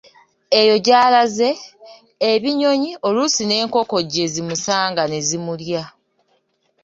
Eyo gy’alaze, ebinnyonyi, oluusi n'enkoko gye zimusanga nezimulya.